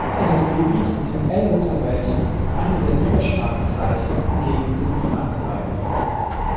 Das Gebiet um den Elsässer Belchen ist eine der niederschlagsreichsten Gegenden Frankreichs.